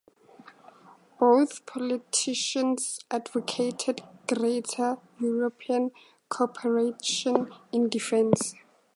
Both politicians advocated greater European cooperation in defence.